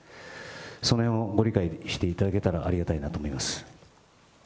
そのへんをご理解していただけたらありがたいなと思います。